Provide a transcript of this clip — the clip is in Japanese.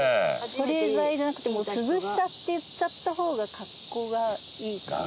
保冷剤じゃなくても「涼しさ」って言っちゃった方が格好がいいかなと。